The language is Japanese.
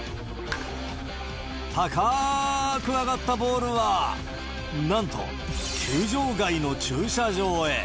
高ーく上がったボールは、なんと球場外の駐車場へ。